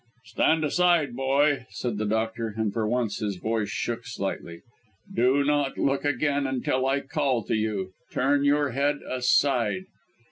"Stand aside, boy," said the doctor and for once his voice shook slightly. "Do not look again until I call to you. Turn your head aside!"